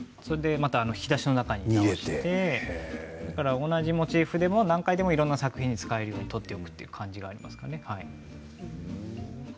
また引き出しの中に入れて同じモチーフでも何回でもいろいろな作品に使えるように取っておくという感じがありますかね。